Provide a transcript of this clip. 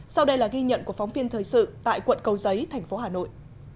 sau đây là ghi nhận của phóng viên thời sự tại quận cầu giấy thành phố hà nội